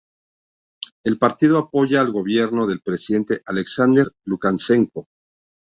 El partido apoya al gobierno del presidente Alexander Lukashenko.